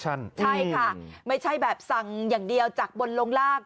ใช่ค่ะไม่ใช่แบบสั่งอย่างเดียวจากบนลงล่าง